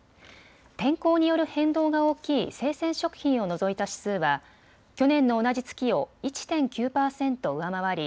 天候による変動が大きい生鮮食品を除いた指数は去年の同じ月を１．９％上回り